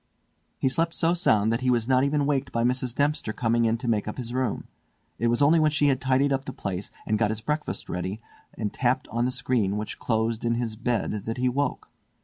He slept so sound that he was not even waked by Mrs. Dempster coming in to make up his room. It was only when she had tidied up the place and got his breakfast ready and tapped on the screen which closed in his bed that he woke.